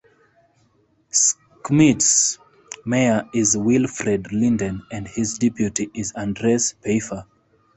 Schmitt's mayor is Wilfried Linden, and his deputy is Andreas Peifer.